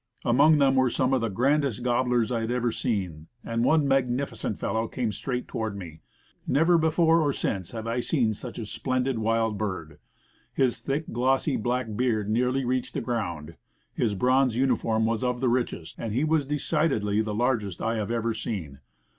Among them were some of the grandest gobblers I had ever seen, and one magnifi cent fellow came straight toward me. Never before or since have I seen such a splendid wild bird. His thick, glossy black beard nearly reached the ground, his bronze uniform was of the richest, and he was de Turkeys and Deer. 125 cidedly the largest I have ever seen.